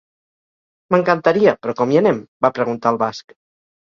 M'encantaria, però com hi anem? —va preguntar el basc.